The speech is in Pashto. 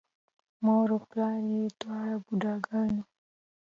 مور و پلار یې دواړه بوډاګان وو،